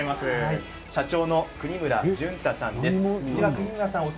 社長の國村隼太さんです。